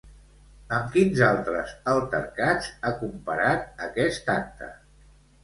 Amb quins altres altercats ha comparat aquest acte?